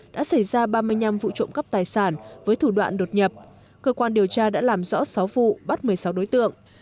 đã trộm cắp tài sản với thủ đoạn đột nhập cơ quan điều tra đã làm rõ sáu vụ bắt một mươi sáu đối tượng